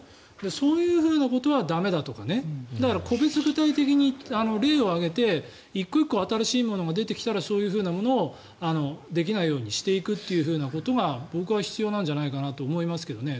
そういうことは駄目だとかだから個別具体的に例を挙げて１個１個新しいものが出てきたらそういうものをできないようにしていくっていうことが僕は必要なんじゃないかと思いますけどね。